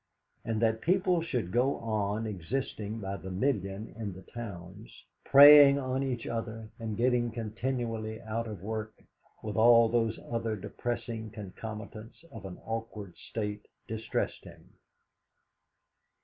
And that people should go on existing by the million in the towns, preying on each other, and getting continually out of work, with all those other depressing concomitants of an awkward state, distressed him.